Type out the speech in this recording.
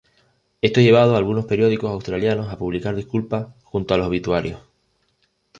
Esto ha llevado a algunos periódicos australianos a publicar disculpas junto a los obituarios.